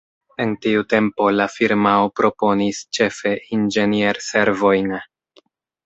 En tiu tempo, la firmao proponis ĉefe inĝenier-servojn.